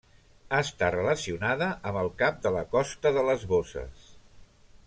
Està relacionada amb el Cap de la Costa de les Bosses.